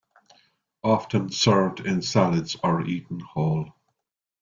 Often served in salads or eaten whole.